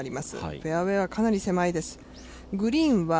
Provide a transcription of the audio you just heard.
フェアウエーはかなり狭いです。